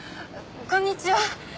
こんにちは。